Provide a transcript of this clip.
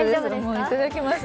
もう、いただきます。